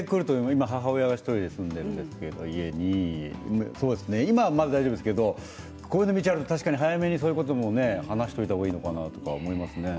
今、母親が１人で住んでいるんですけど今は、まだ大丈夫ですけれど早めにそういうことも話しておいた方がいいのかなと思いますよね。